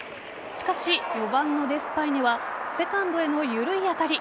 しかし、４番のデスパイネはセカンドへの緩い当たり。